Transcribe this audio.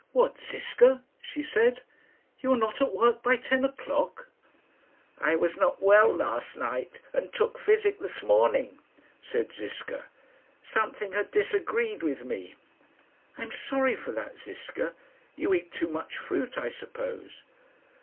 "What, Ziska," she said, "you not at work by ten o'clock!" "I was not well last night, and took physic this morning," said Ziska. "Something had disagreed with me." "I'm sorry for that, Ziska. You eat too much fruit, I suppose."